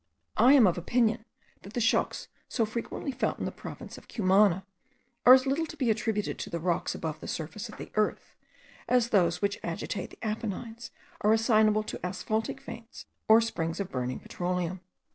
I am of opinion that the shocks so frequently felt in the province of Cumana are as little to be attributed to the rocks above the surface of the earth, as those which agitate the Apennines are assignable to asphaltic veins or springs of burning petroleum.